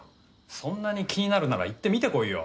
そんなに気になるなら行って見てこいよ。